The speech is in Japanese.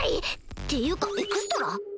っていうかエクストラ？